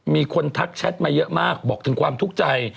มีคนทักแชทมาเยอะมากบอกถึงความทุกข์ใจ